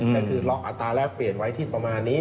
ก็คือล็อกอัตราแรกเปลี่ยนไว้ที่ประมาณนี้